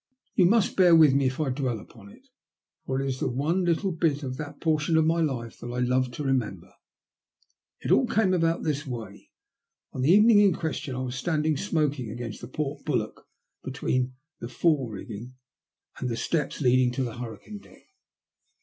You must bear with me if I dwell upon it^ for it is the one little A STRANGE COINCIDENCE. 121 bit of that portion of my life that I love to remember. It all came about in this \vay : On the evening in question I was standing smoking against the port bulwarks between the fore rigging and the steps leading to the hurricane deck.